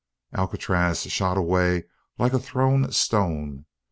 Alcatraz shot away like a thrown stone.